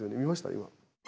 今。